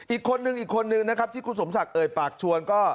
อีกคนนึงอีกคนนึงนะครับที่คุณสมศักดิ์เอ่ยปากชวนก็